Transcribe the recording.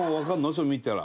それ見たら。